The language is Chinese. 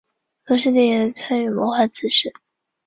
利奥波德亦是普鲁士陆军的主要组织者和改革者。